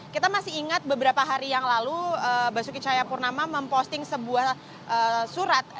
kita masih ingat beberapa hari yang lalu basuki cahayapurnama memposting sebuah surat